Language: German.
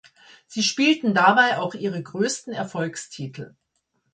Sie spielten dabei auch ihre größten Erfolgstitel.